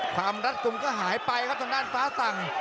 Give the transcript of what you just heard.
ความรัดกลุ่มก็หายไปครับสนานฟ้าศักดิ์